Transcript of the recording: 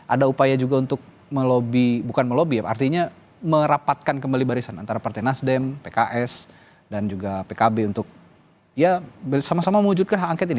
ada upaya juga untuk melobi bukan melobby artinya merapatkan kembali barisan antara partai nasdem pks dan juga pkb untuk ya sama sama mewujudkan hak angket ini